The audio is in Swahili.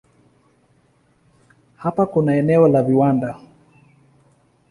Hapa kuna eneo la viwanda.